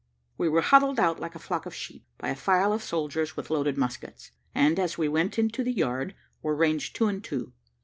We were huddled out like a flock of sheep, by a file of soldiers with loaded muskets; and, as we went into the yard, were ranged two and two.